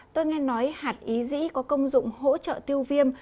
tôi nghe nói hạt ý dĩ có công dụng hỗ trợ tiêu viêm